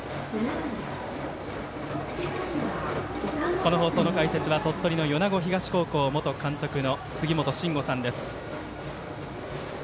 この放送の解説は鳥取の米子東高校元監督の杉本真吾さんです。